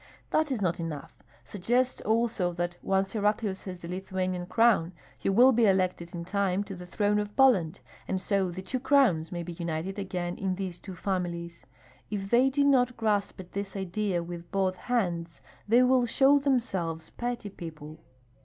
That is not enough; suggest also that once Heraclius has the Lithuanian crown he will be elected in time to the throne of Poland, and so the two crowns may be united again in these two families. If they do not grasp at this idea with both hands, they will show themselves petty people.